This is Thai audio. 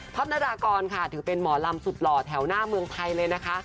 นารากรค่ะถือเป็นหมอลำสุดหล่อแถวหน้าเมืองไทยเลยนะคะ